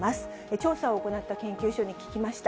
調査を行った研究所に聞きました。